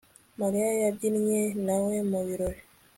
Mariya yabyinnye nawe mu birori